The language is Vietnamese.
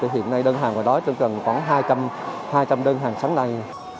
thì hiện nay đơn hàng ở đó chẳng cần khoảng hai trăm linh đơn hàng sáng nay